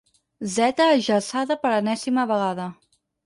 Zeta ajaçada per enèsima vegada.